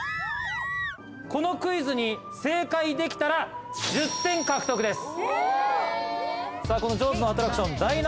このクイズに正解できたら１０点獲得です。